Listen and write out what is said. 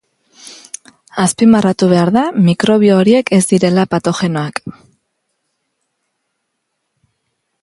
Azpimarratu behar da mikrobio horiek ez direla patogenoak.